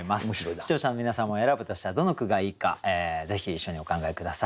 視聴者の皆さんも選ぶとしたらどの句がいいかぜひ一緒にお考え下さい。